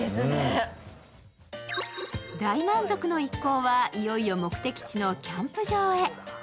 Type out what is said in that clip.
大満足の一行はいよいよ目的地のキャンプ場へ。